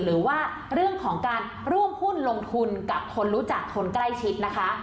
หรือว่าเรื่องของการร่วมหุ้นลงทุนกับคนรู้จักคนใกล้ชิดนะคะ